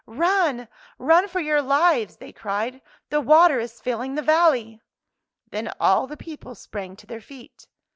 " Run, run for your lives !" they cried. " The water is filling the valley! " Then all the people sprang to their feet.